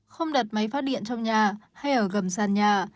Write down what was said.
không đặt máy phát điện trong nhà hay ở gầm sàn nhà